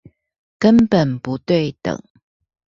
根本不對等